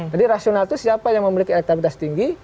jadi rasional itu siapa yang memiliki elektabilitas tinggi